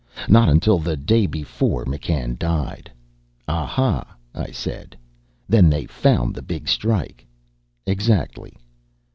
Not until the day before McCann died." "Ah hah," I said. "Then they found the big strike." "Exactly."